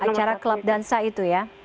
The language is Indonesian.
acara club dansa itu ya